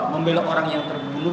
membela orang yang terbunuh